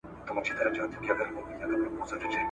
ځان یې دروند سو لکه کاڼی په اوبو کي `